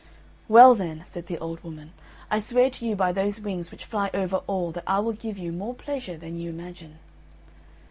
"Well, then," said the old woman, "I swear to you by those wings which fly over all that I will give you more pleasure than you imagine."